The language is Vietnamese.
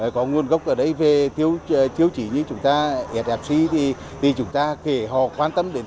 có nguồn gốc ở đây về thiếu chỉ như chúng ta fsc thì chúng ta kể họ quan tâm đến